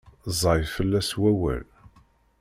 Ẓẓay fell-as wawal.